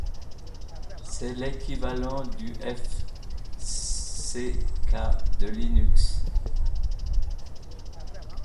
C'est l'équivalent du fsck de linux.